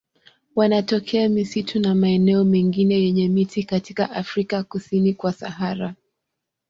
Wanatokea misitu na maeneo mengine yenye miti katika Afrika kusini kwa Sahara.